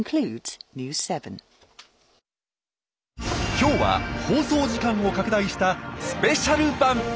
今日は放送時間を拡大したスペシャル版！